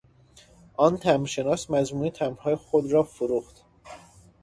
آن تمبر شناس مجموعهی تمبرهای خود را فروخت.